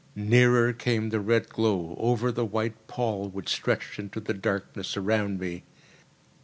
Nearer came the red glow, over the white pall which stretched into the darkness around me.